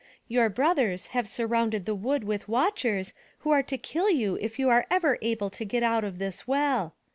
Your brothers have surrounded the wood with watchers who are to kill you if you are ever able to get out of this well.